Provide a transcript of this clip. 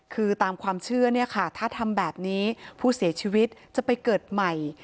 คือตามความเชื่อเนี่ยค่ะถ้าทำแบบนี้ผู้เสียชีวิตจะไปเกิดใหม่